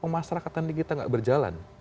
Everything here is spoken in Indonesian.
masyarakat kita tidak berjalan